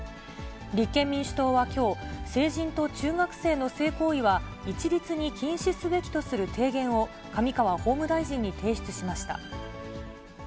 立憲民主党はきょう、成人と中学生の性行為は一律に禁止すべきとする提言を上川法務大臣に提出しました。